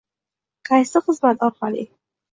-Qaysi xizmat orqali?